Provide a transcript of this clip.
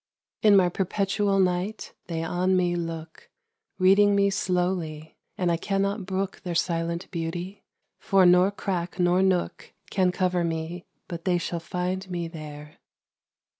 In my perpetual night they on me look, Reading me slowly; and I cannot brook Their silent beauty, for nor crack nor nook Can cover me but they shall find me there.